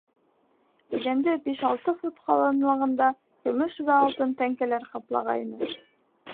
Иҙәнде биш-алты фут ҡалынлығында көмөш вә алтын тәңкәләр ҡаплағайны.